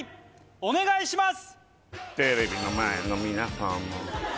お願いします